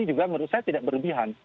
ini juga menurut saya tidak berlebihan